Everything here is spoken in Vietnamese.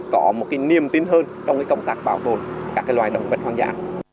có một niềm tin hơn trong công tác bảo tồn các loài động vật hoang dã